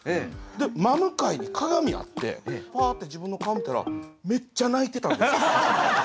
で真向かいに鏡あってふわって自分の顔見たらめっちゃ泣いてたんです。